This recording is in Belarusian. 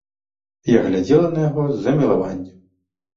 Я глядзела на яго з замілаваннем.